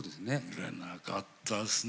売れなかったですね